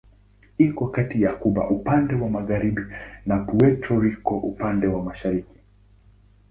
Iko kati ya Kuba upande wa magharibi na Puerto Rico upande wa mashariki.